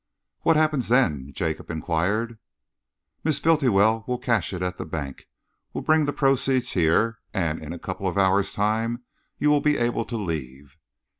"What happens then?" Jacob enquired. "Miss Bultiwell will cash it at the bank, will bring the proceeds here, and in a couple of hours' time you will be able to leave."